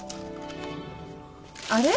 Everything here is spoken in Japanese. あれ？